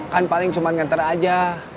kan paling cuma nganter aja